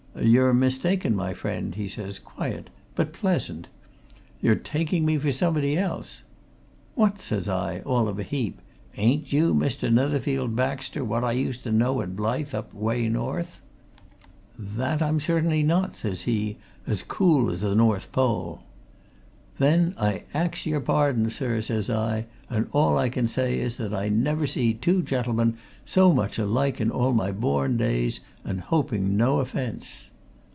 'You're mistaken, my friend,' he says, quiet, but pleasant. 'You're taking me for somebody else.' 'What!' says I, all of a heap. 'Ain't you Mr. Netherfield Baxter, what I used to know at Blyth, away up North?' 'That I'm certainly not,' says he, as cool as the North Pole. 'Then I ax your pardon, sir,' says I, 'and all I can say is that I never see two gentlemen so much alike in all my born days, and hoping no offence.'